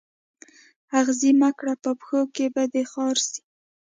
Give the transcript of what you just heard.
آغزي مه کره په پښو کي به دي خار سي